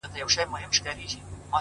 مخ ته مي لاس راوړه چي ومي نه خوري’